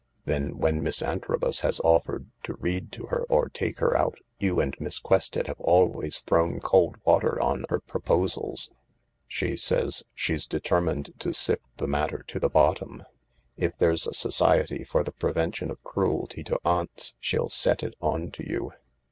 Then when Miss Antrobus has offered to read to her or take her out you and Miss Quested have always thrown cold water on her pro posals. She says she's determined to sift the matter to the bottom. E there's a Society for the Prevention of Cruelty to Aunts, she'll set it on to you."